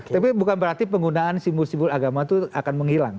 tapi bukan berarti penggunaan simbol simbol agama itu akan menghilang